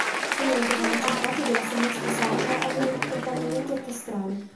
Inoltre la maggior parte della sua musica sacra aveva un accompagnamento orchestrale.